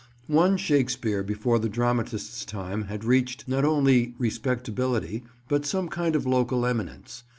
One Shakespeare before the dramatist's time had reached not only respectability but some kind of local eminence.